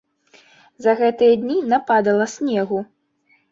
За гэтыя дні нападала снегу.